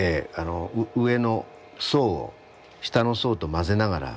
上の層を下の層と混ぜながら。